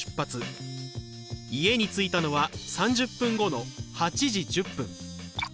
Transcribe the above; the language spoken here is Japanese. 家に着いたのは３０分後の８時１０分。